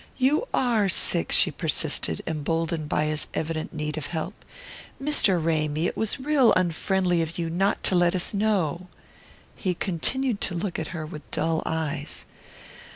"You ARE sick," she persisted, emboldened by his evident need of help. "Mr. Ramy, it was real unfriendly of you not to let us know." He continued to look at her with dull eyes.